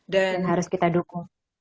dan harus kita dukung